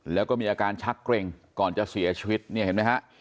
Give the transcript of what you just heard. แล้วก็มีอาการชักเกร็งก่อนจะเสียชีวิตเนี่ยเห็นไหมฮะ